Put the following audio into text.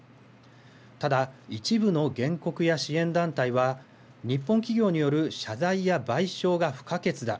ただ一部の原告や支援団体は日本企業による謝罪や賠償が不可欠だ。